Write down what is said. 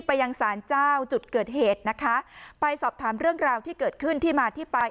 ไปยังสารเจ้าจุดเกิดเหตุนะคะไปสอบถามเรื่องราวที่เกิดขึ้นที่มาที่ไป